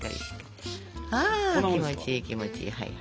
あ気持ちいい気持ちいい。